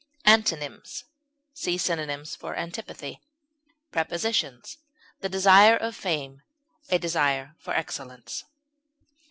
Antonyms: See synonyms for ANTIPATHY. Prepositions: The desire of fame; a desire for excellence.